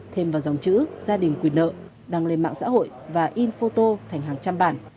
thêm vào dòng chữ gia đình quyền nợ đăng lên mạng xã hội và in photo thành hàng trăm bản